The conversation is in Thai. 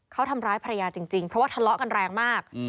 เขาทำร้ายภรรยาจริงเพราะว่าทะเลาะกันแรงมาก